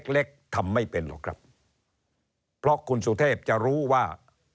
เล็กทำไม่เป็นหรอกครับเพราะคุณสุเทพจะรู้ว่า